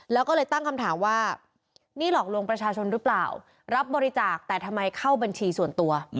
แล้วก็เลยตั้งคำถามว่านี่หลอกลวงประชาชนหรือเปล่ารับบริจาคแต่ทำไมเข้าบัญชีส่วนตัว